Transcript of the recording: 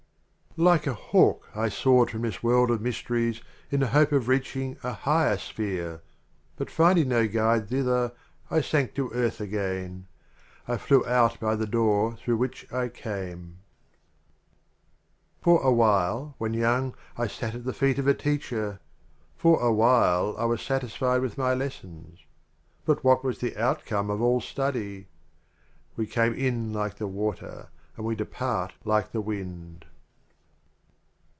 58 XXVII. ,.. Like a Hawk I soared from this o mar World of Mysteries in the hope of reaching a Higher Sphere ; But finding no Guide thither, I sank to Earth again — I flew out by the Door through which I came. XXVIII. For a while, when young, I sat at the feet of a Teacher ; For a while I was satisfied with my Lessons. But what was the outcome of all Study? " We came in like the Water, and we depart like the Wind."